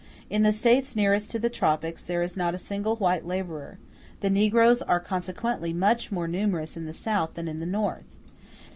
In the States nearest to the tropics there is not a single white laborer; the negroes are consequently much more numerous in the South than in the North.